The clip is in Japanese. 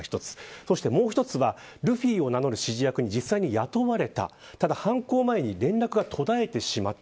そして、もう一つはルフィを名乗る指示役に実際に雇われたただ、犯行前に連絡が途絶えてしまった。